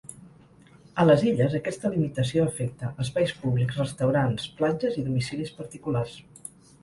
A les Illes, aquesta limitació afecta espais públics, restaurants, platges i domicilis particulars.